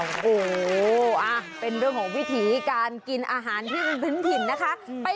โอ้โหเป็นเรื่องของวิถีการกินอาหารที่พื้นถิ่นนะคะ